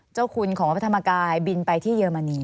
เจ้าคุณของพระธรรมกายบินไปที่เยอรมนี